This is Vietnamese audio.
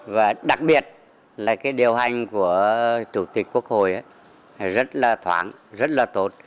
và đặc biệt là cái điều hành của chủ tịch quốc hội rất là thoáng rất là tốt